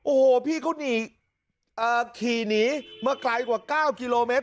โอ้โหพี่เขาหนีเอ่อขี่หนีมาไกลกว่าเก้ากิโลเมตร